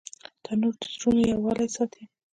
تنور د زړونو یووالی ساتي